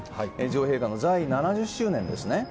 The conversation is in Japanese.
女王陛下の在位７０周年ですね。